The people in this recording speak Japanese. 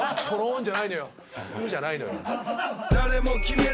「んっ」じゃないのよ。